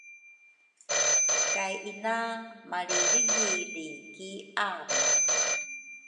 kay ina malrilrigili ki ama.